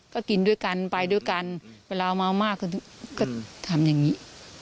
ก็กินด้วยกันไปด้วยกันเวลาเมามากก็ทำอย่างนี้